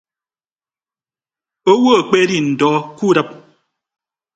Owo akpedi ndọ kudịp.